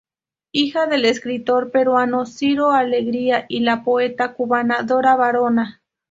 Hija del escritor peruano Ciro Alegría y la poeta cubana Dora Varona.